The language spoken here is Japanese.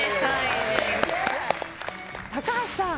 高橋さん。